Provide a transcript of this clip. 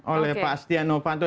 oleh pak setia novanto